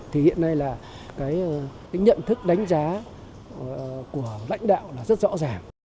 thì hiện nay là cái nhận thức đánh giá của lãnh đạo là rất rõ ràng